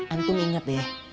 antum inget ya